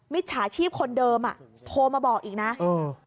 จฉาชีพคนเดิมอ่ะโทรมาบอกอีกนะเออ